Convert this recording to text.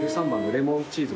レモンチーズ。